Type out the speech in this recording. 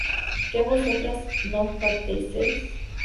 ¿que vosotras no partieseis?